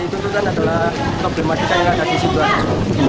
pembangunan pabrik dan supermarket yang ada di sidoarjo